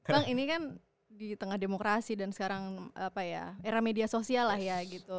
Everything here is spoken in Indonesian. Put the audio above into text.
bang ini kan di tengah demokrasi dan sekarang apa ya era media sosial lah ya gitu